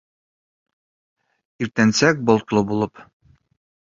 Иртәнсәк болотло булып